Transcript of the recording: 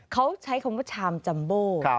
เขาใช้คำว่าชามจัมโบ